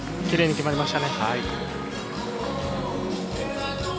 きれいに決まりました。